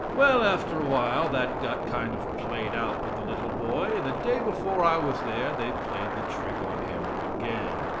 Well, after while that got kind of played out with the little boy, and the day before I was there they played the trick on him again.